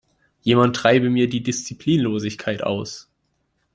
Jemand treibe mir diese Disziplinlosigkeit aus!